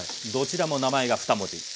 どちらも名前が２文字。